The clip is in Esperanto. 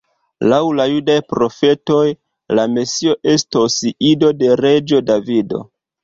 Laŭ la judaj profetoj, la Mesio estos ido de reĝo Davido.